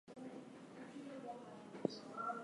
The game had a toy tie-in made by Matchbox.